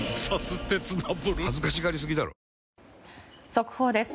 速報です。